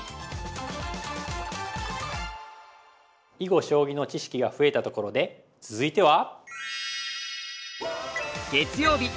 囲碁将棋の知識が増えたところで続いては！